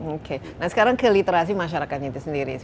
oke nah sekarang ke literasi masyarakatnya itu sendiri